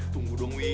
tunggu dong wi